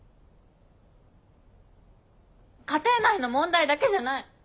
家庭内の問題だけじゃない。